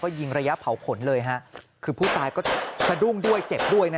ยิงระยะเผาขนเลยฮะคือผู้ตายก็สะดุ้งด้วยเจ็บด้วยนะ